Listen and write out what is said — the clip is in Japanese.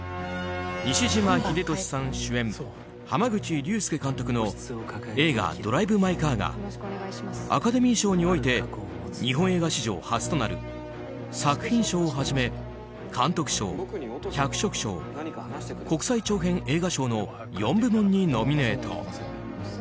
西島秀俊さん主演濱口竜介監督の映画「ドライブ・マイ・カー」がアカデミー賞において日本映画史上初となる作品賞をはじめ、監督賞、脚色賞国際長編映画賞の４部門にノミネート。